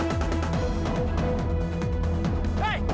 eh jangan kamu ray